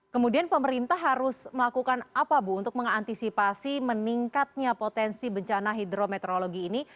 kemudian pemerintah harus melakukan apa bu untuk mengantisipasi meningkatnya potensi bencana hidrometeorologi ini